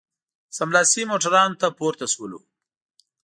سملاسي موټرانو ته پورته شولو.